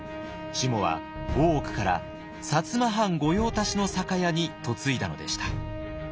しもは大奥から薩摩藩御用達の酒屋に嫁いだのでした。